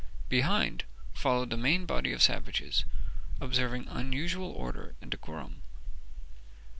Behind followed the main body of the savages, observing unusual order and decorum.